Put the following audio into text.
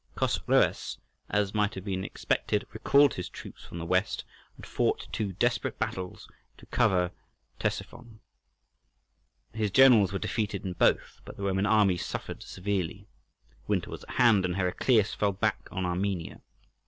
Chosroës, as might have been expected, recalled his troops from the west, and fought two desperate battles to cover Ctesiphon. His generals were defeated in both, but the Roman army suffered severely. Winter was at hand, and Heraclius fell back on Armenia.